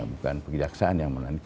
bukan kejaksaan yang menandikan